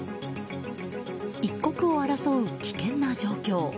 一刻を争う危険な状況。